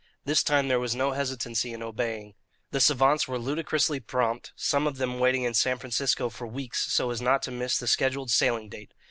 This time there was no hesitancy in obeying. The savants were ludicrously prompt, some of them waiting in San Francisco for weeks so as not to miss the scheduled sailing date.